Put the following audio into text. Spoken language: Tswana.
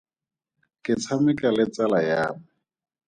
Ke tshameka le tsala ya me.